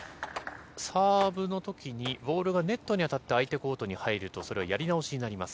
サーブのときにボールがネットに当たって相手コートに入ると、それはやり直しになります。